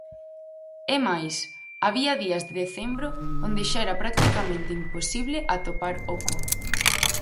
É máis, había días de decembro onde xa era practicamente imposible atopar oco.